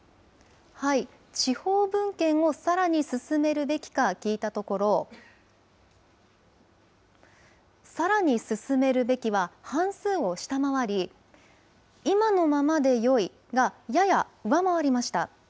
地方分権をさらに進めるべきか聞いたところ、さらに進めるべきは半数を下回り、今のままでよいがやや上回りました。